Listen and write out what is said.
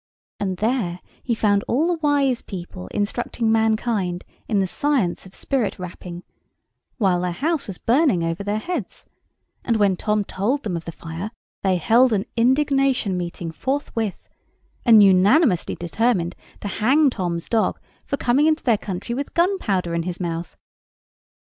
And there he found all the wise people instructing mankind in the science of spirit rapping, while their house was burning over their heads: and when Tom told them of the fire, they held an indignation meeting forthwith, and unanimously determined to hang Tom's dog for coming into their country with gunpowder in his mouth.